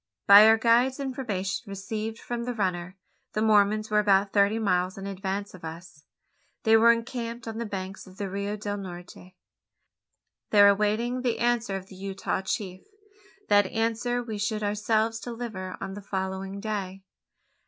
By our guide's information received from the runner the Mormons were about thirty miles in advance of us. They were encamped on the banks of the Rio del Norte, there awaiting the answer of the Utah chief. That answer we should ourselves deliver on the following day.